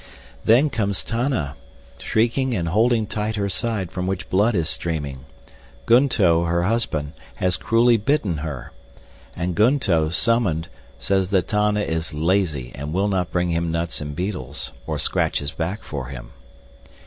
Then comes Tana, shrieking and holding tight her side from which blood is streaming. Gunto, her husband, has cruelly bitten her! And Gunto, summoned, says that Tana is lazy and will not bring him nuts and beetles, or scratch his back for him.